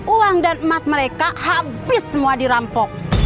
uang dan emas mereka habis semua dirampok